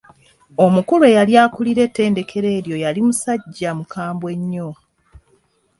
Omukulu eyali akulira ettendekero eryo yali musajja mukambwe nnyo.